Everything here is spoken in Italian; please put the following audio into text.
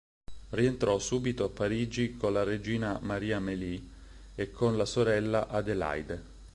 Rientrò subito a Parigi con la regina Marie-Amélie e con la sorella Adélaïde.